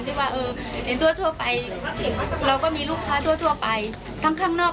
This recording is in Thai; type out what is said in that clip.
ที่ว่าเออเห็นทั่วไปเราก็มีลูกค้าทั่วไปทั้งข้างนอก